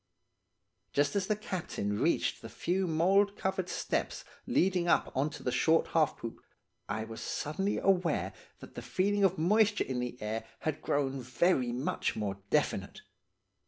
"Just as the captain reached the few mould covered steps leading up on to the short half poop, I was suddenly aware that the feeling of moisture in the air had grown very much more definite.